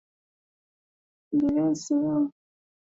Billene Seyoum amewaambia wanahabari kwamba matamshi ya Tedros hayafai